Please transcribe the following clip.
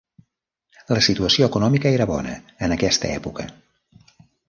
La situació econòmica era bona, en aquesta època.